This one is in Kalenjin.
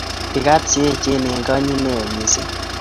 igat che echen eng kanyit neo mising